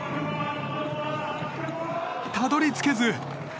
たどりつけず。